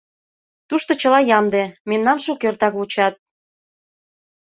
— Тушто чыла ямде, мемнам шукертак вучат.